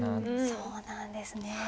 そうなんですね。